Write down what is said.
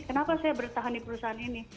kenapa saya bertahan di perusahaan ini